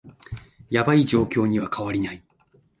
ヤバい状況には変わりない